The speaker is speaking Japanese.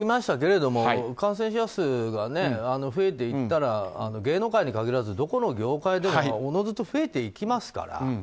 これまでも言ってきましたけど感染者数が増えていったら芸能界に限らずどこの業界でもおのずと増えていきますから。